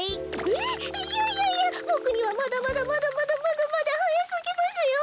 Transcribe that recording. えっいやいやいやぼくにはまだまだまだまだまだまだはやすぎますよ。